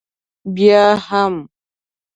بیا هم.